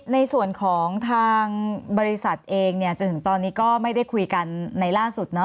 ในส่วนของทางบริษัทเองจนถึงตอนนี้ก็ไม่ได้คุยกันในล่าสุด